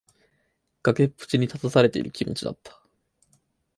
崖っぷちに立たされている気持ちだった。